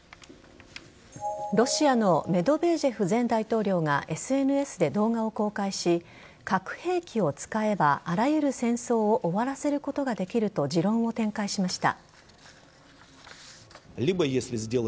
ロシアのメドベージェフ前大統領がＳＮＳで動画を公開し核兵器を使えばあらゆる戦争を終わらせることができると持論を展開しました。